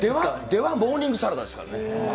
出は、モーニングサラダですからね。